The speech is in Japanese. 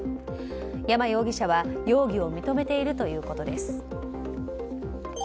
山容疑者は容疑を認めているということです。